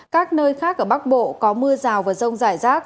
các nơi khác ở bắc bộ có mưa rào và rông rải rác